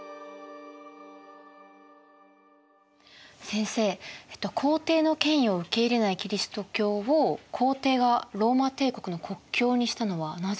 先生皇帝の権威を受け入れないキリスト教を皇帝がローマ帝国の国教にしたのはなぜですか。